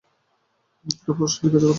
একটা প্রশ্ন জিজ্ঞেস করতে পারি?